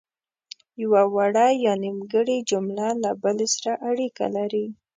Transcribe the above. یوه وړه یا نیمګړې جمله له بلې سره اړیکې لري.